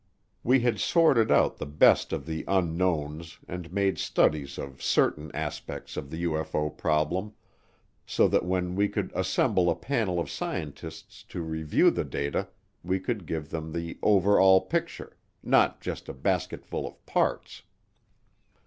We had sorted out the best of the "Unknowns" and made studies of certain aspects of the UFO problem, so that when we could assemble a panel of scientists to review the data we could give them the over all picture, not just a basketful of parts.